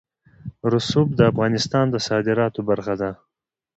رسوب د افغانستان د صادراتو برخه ده.